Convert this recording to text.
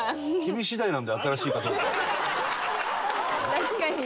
確かに。